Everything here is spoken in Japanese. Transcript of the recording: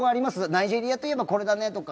ナイジェリアといえばこれだねとか。